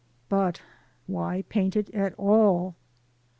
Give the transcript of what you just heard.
But why paint it at all?